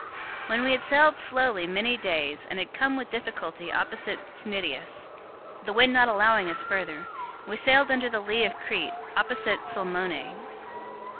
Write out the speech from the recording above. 027:007 When we had sailed slowly many days, and had come with difficulty opposite Cnidus, the wind not allowing us further, we sailed under the lee of Crete, opposite Salmone.